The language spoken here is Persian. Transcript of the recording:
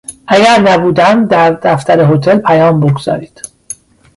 اگر نبودم در دفتر هتل پیام بگذارید.